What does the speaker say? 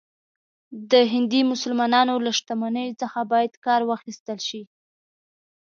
د هندي مسلمانانو له شتمنیو څخه باید کار واخیستل شي.